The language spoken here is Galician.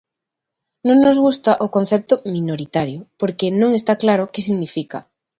Non nos gusta o concepto "minoritario" porque non está claro que significa.